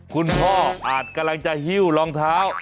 คุณพ่ออาจกำลังจะหิ้วรองเท้า